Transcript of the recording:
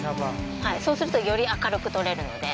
そうすると、より明るく撮れるので。